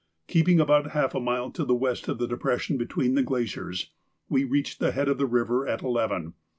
Keeping about half a mile to the west of the depression between the glaciers, we reached the head of the river at eleven.